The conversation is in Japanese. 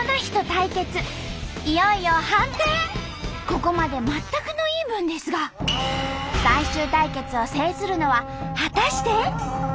ここまで全くのイーブンですが最終対決を制するのは果たして。